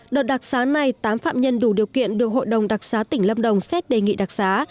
đợt đặc sáng này tám phạm nhân đủ điều kiện được hội đồng đặc xá tỉnh lâm đồng xét đề nghị đặc xá